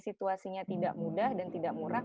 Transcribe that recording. situasinya tidak mudah dan tidak murah